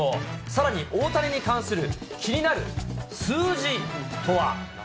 さらに大谷に関する気になる数字とは。